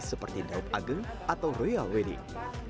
seperti daup ageng atau royal wedding